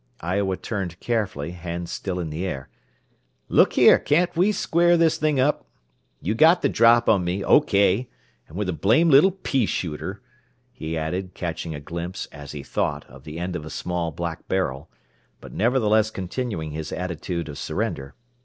Iowa turned carefully, hands still in the air. "Look here, can't we square this thing up? You got the drop on me, O K and with a blame little pea shooter," he added, catching a glimpse, as he thought, of the end of a small black barrel, but nevertheless continuing his attitude of surrender.